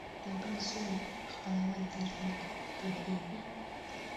د بل زوی خپلول ډېر لږ پېښېږي